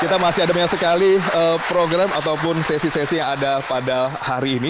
kita masih ada banyak sekali program ataupun sesi sesi yang ada pada hari ini